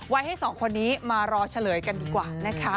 ให้สองคนนี้มารอเฉลยกันดีกว่านะคะ